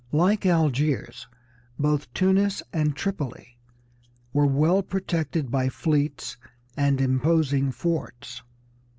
Like Algiers, both Tunis and Tripoli were well protected by fleets and imposing forts.